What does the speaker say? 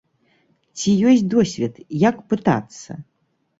Ці ёсць досвед, як пытацца?